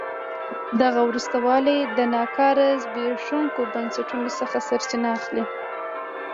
دغه وروسته والی د ناکاره زبېښونکو بنسټونو څخه سرچینه اخلي.